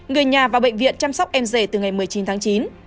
người nhà vào bệnh viện chăm sóc em rể từ ngày một mươi chín tháng chín